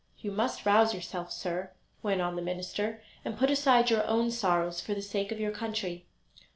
"You must rouse yourself, sir," went on the minister, "and put aside your own sorrows for the sake of your country."